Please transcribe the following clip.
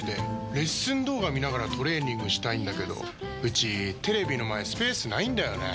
レッスン動画見ながらトレーニングしたいんだけどうちテレビの前スペースないんだよねー。